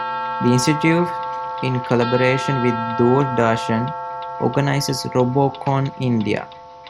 The institute, in collaboration with Doordarshan, organizes Robocon India.